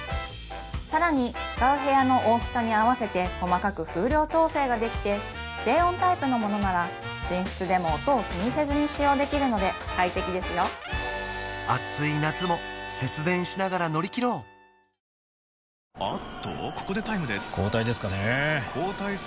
更に使う部屋の大きさに合わせて細かく風量調整ができて静音タイプのものなら寝室でも音を気にせずに使用できるので快適ですよ暑い夏も節電しながら乗り切ろうよしっ！